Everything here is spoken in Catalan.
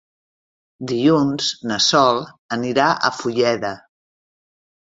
Dilluns na Sol anirà a Fulleda.